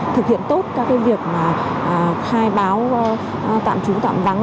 thực hiện tốt các việc khai báo tạm trú tạm vắng